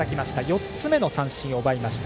４つ目の三振を奪いました。